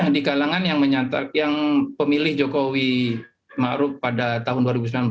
di kalangan yang menyatakan yang pemilih jokowi ma'ruf pada tahun dua ribu sembilan belas